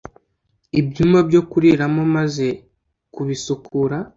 ibyumba byo kuriramo maze kubisukura